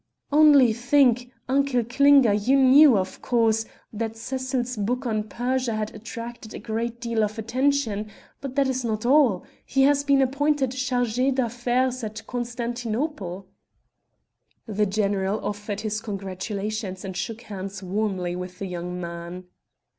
"Only think. Uncle Klinger you knew, of course, that Cecil's book on Persia had attracted a great deal of attention but that is not all. He has been appointed Chargé d'affaires at Constantinople." The general offered his congratulations and shook hands warmly with the young man.